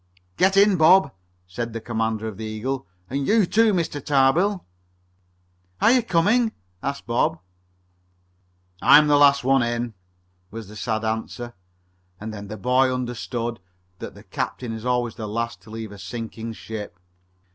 "Get in, Bob," said the commander of the Eagle. "And you too, Mr. Tarbill." "Aren't you coming?" asked Bob. "I'm the last one in," was the sad answer, and then the boy understood that the captain is always the last to leave a sinking ship.